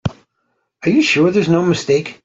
Are you sure there's no mistake?